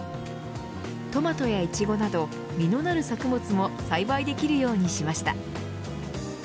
トマトやいちごなど実のなる作物も栽培できるようにしました。